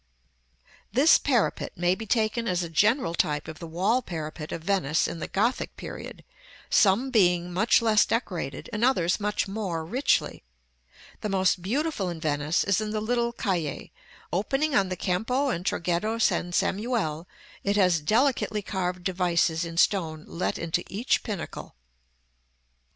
§ XIII. This parapet may be taken as a general type of the wall parapet of Venice in the Gothic period; some being much less decorated, and others much more richly: the most beautiful in Venice is in the little Calle, opening on the Campo and Traghetto San Samuele; it has delicately carved devices in stone let into each pinnacle.